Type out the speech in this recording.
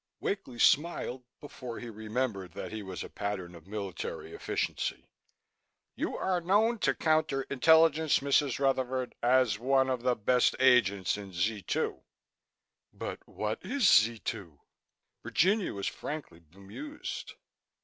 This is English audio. Wakely smiled before he remembered that he was a pattern of military efficiency. "You are known to Counter Intelligence, Mrs. Rutherford, as one of the best agents in Z 2." "But what is Z 2?" Virginia was frankly bemused.